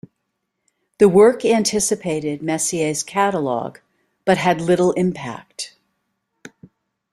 The work anticipated Messier's catalogue, but had little impact.